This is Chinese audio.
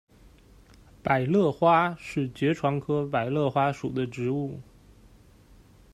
百簕花是爵床科百簕花属的植物。